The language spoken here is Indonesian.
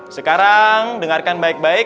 sekarang dengarkan baik baik